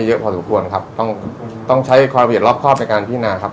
เยอะพอสมควรครับต้องต้องใช้ความละเอียดรอบครอบในการพินาครับ